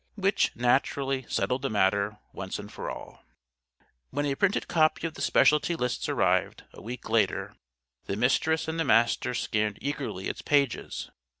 Which, naturally, settled the matter, once and for all. When a printed copy of the Specialty Lists arrived, a week later, the Mistress and the Master scanned eagerly its pages.